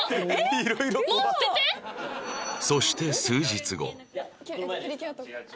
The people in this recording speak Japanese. そして数日後